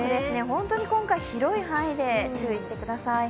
本当に今回、広い範囲で注意してください。